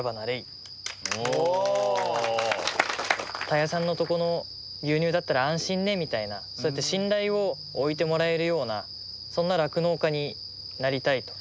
「田谷さんのとこの牛乳だったら安心ね」みたいなそうやって信頼を置いてもらえるようなそんな酪農家になりたいと。